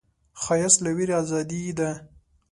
ښایست له ویرې ازادي ده